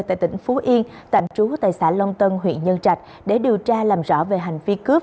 tại tỉnh phú yên tạm trú tại xã long tân huyện nhân trạch để điều tra làm rõ về hành vi cướp